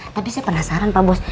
tadi saya penasaran pak bos